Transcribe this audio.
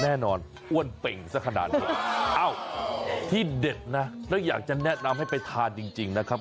แน่นอนอ้วนเป่งสักขนาดนี้เอ้าที่เด็ดนะแล้วอยากจะแนะนำให้ไปทานจริงนะครับ